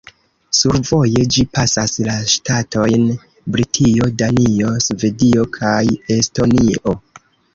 Survoje ĝi pasas la ŝtatojn Britio, Danio, Svedio kaj Estonio.